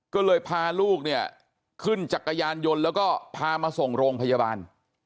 ก็เลยพาลูกเนี่ยขึ้นจักรยานยนต์แล้วก็พามาส่งโรงพยาบาล